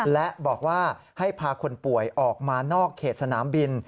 และบอกว่าให้พาคนป่วยออกมานอกเขตสนามบิน